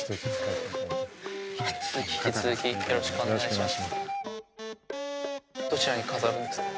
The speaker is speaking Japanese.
引き続きよろしくお願いします。